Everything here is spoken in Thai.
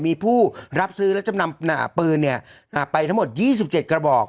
มีผู้รับซื้อและจำนำปืนเนี่ยอ่าไปทั้งหมดยี่สิบเจ็ดกระบอก